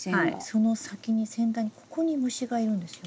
その先に先端にここに虫がいるんですよ。